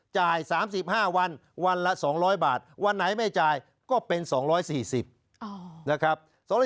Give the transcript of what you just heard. จ่าย๓๕วันวันละ๒๐๐บาทวันไหนไม่จ่ายก็เป็น๒๔๐นะครับ